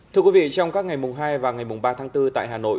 thưa quý vị trong các ngày mùng hai và ngày mùng ba tháng bốn tại hà nội